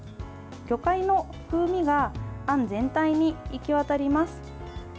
魚介の風味があん全体に行き渡ります。